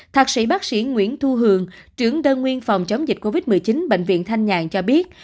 thạc sĩ bác sĩ nguyễn thu hường trưởng đơn nguyên phòng chống dịch covid một mươi chín bệnh viện thanh nhàn cho biết